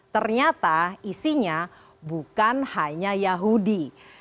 ternyata isinya bukan hanya yahudi